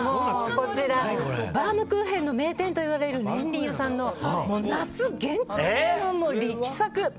バウムクーヘンの名店といわれるねんりん家さんの夏限定の力作！